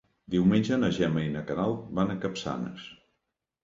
Diumenge na Gemma i na Queralt van a Capçanes.